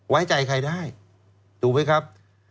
ไว้ใจใครได้ถูกไหมครับ